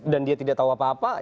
dan dia tidak tahu apa apa